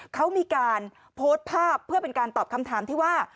เขามีการโพสต์ภาพเพื่อเป็นการตอบคำถามที่ว่า